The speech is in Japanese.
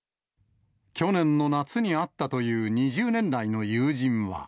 去年の夏に会ったという２０年来の友人は。